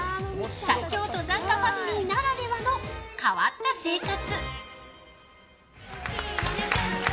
最強登山家ファミリーならではの変わった生活。